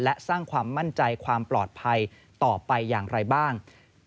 และสร้างความมั่นใจความปลอดภัยต่อไปอย่างไรบ้าง